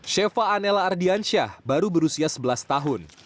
sheva anella ardiansyah baru berusia sebelas tahun